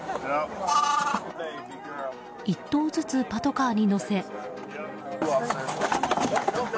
１頭ずつパトカーに乗せ。